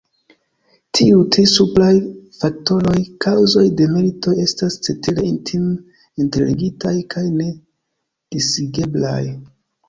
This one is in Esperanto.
Tiuj tri supraj faktoroj, kaŭzoj de militoj estas cetere intime interligitaj kaj nedisigeblaj.